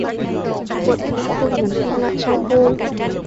Quận vẫn không nhắn tin lại cho cô